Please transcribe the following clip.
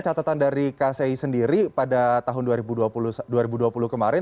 catatan dari kci sendiri pada tahun dua ribu dua puluh kemarin